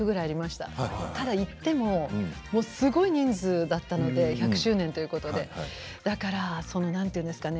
ただいっても、すごい人数だったので１００周年ということで何て言うんですかね。